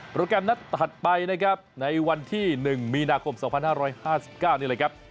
แกรมนัดถัดไปนะครับในวันที่๑มีนาคม๒๕๕๙นี่แหละครับ